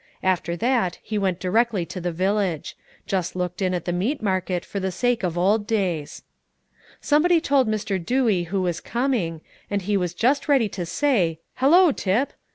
After that he went directly to the village; just looked in at the meat market for the sake of the old days. Somebody told Mr. Dewey who was coming, and he was just ready to say, "Hallo, Tip!"